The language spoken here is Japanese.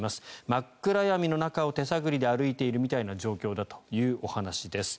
真っ暗闇の中を手探りで歩いているような状況だということです。